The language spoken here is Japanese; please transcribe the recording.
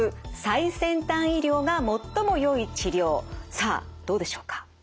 さあどうでしょうか？